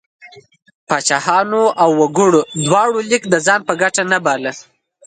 پاچاهانو او وګړو دواړو لیک د ځان په ګټه نه باله.